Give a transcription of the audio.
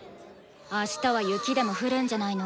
あしたは雪でも降るんじゃないの？